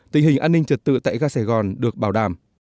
tình hình an ninh trật tự tại ga sài gòn được bảo đảm